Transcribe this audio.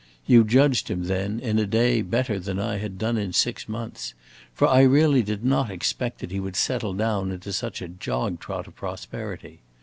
You judged him, then, in a day better than I had done in six months, for I really did not expect that he would settle down into such a jog trot of prosperity.